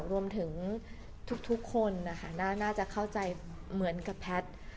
รวมถึงทุกคนนะคะน่าจะเข้าใจเหมือนกับแพทย์